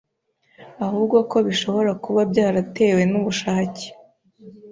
ahubwo ko bishobora kuba byaratewe nubushake